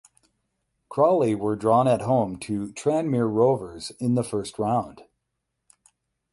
Crawley were drawn at home to Tranmere Rovers in the first round.